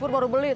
tengok temen lo